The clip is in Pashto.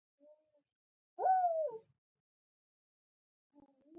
معلومه کړي چې که له شېر علي څخه وغوښتل شي.